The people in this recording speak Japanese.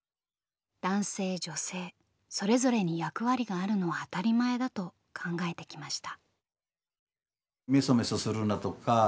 男性女性それぞれに役割があるのは当たり前だと考えてきました。